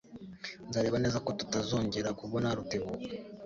Nzareba neza ko tutazongera kubona Rutebuka.